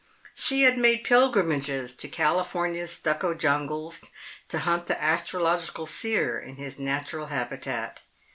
She had made pilgrimages to California's stucco jungles to hunt the astrological seer in his natural habitat.